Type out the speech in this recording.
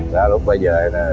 rồi lúc bây giờ